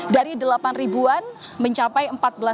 dari delapan ribuan mencapai empat belas ribu empat ratus empat puluh enam